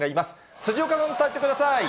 辻岡さん、伝えてください。